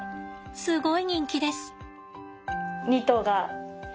すごい人気です。